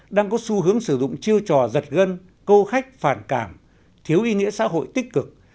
đang có xu hướng sử dụng chiêu trò giật gân câu khách phản cảm thiếu ý nghĩa xã hội tích cực